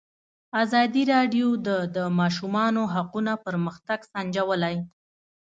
ازادي راډیو د د ماشومانو حقونه پرمختګ سنجولی.